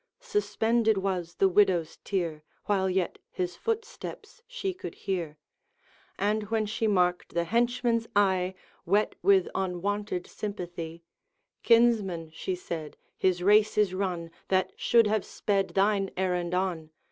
Suspended was the widow's tear While yet his footsteps she could hear; And when she marked the henchman's eye Wet with unwonted sympathy, 'Kinsman,' she said, 'his race is run That should have sped thine errand on.